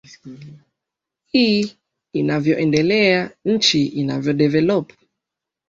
i inavyoendelea nchi inavyo develop